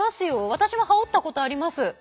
私も羽織ったことあります。